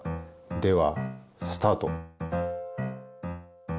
ではスタート。